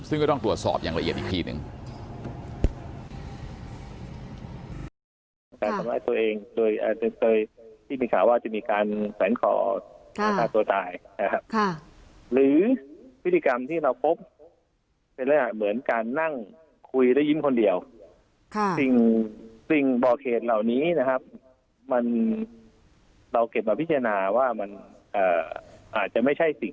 ซึ่งก็ต้องตรวจสอบอย่างละเอียดอีกทีหนึ่ง